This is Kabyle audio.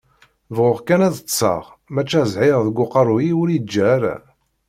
Beɣɣuɣ kan ad ṭṭseɣ maca zzhir deg uqerru-w ur yi-iǧǧa ara.